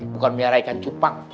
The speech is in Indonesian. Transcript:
bukan biara ikan cupang